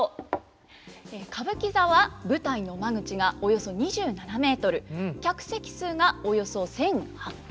歌舞伎座は舞台の間口がおよそ２７ｍ客席数がおよそ１，８００です。